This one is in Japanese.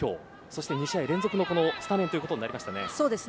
そして２試合連続のスタメンとなりましたね。